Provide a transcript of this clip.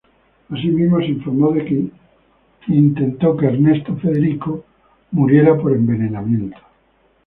Asimismo se informó de que intentó que Ernesto Federico muriera por envenenamiento.